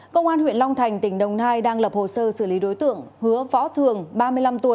công an huyện long thành tỉnh đồng nai đang lập hồ sơ xử lý đối tượng hứa võ thường ba mươi năm tuổi